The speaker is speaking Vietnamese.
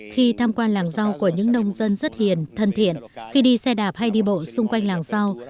khi tham quan làng rau của những nông dân rất hiền thân thiện khi đi xe đạp hay đi bộ xung quanh làng rau